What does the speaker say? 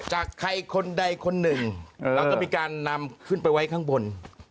จากใครคนใดคนหนึ่งแล้วก็มีการนำขึ้นไปไว้ข้างบน